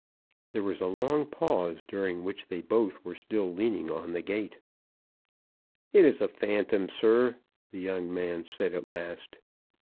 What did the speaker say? There was a long pause, during which they both were still leaning on the gate. "It is a phantom, sir!" the young man said at last.